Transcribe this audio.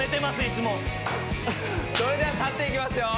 いつもそれでは立っていきますよ